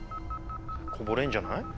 こぼれんじゃない？